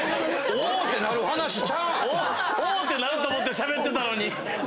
お！ってなる話ちゃう⁉「お！」ってなると思ってしゃべってたのに。